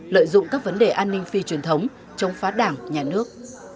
lợi dụng các vấn đề an ninh phi truyền thống chống phá đảng nhà nước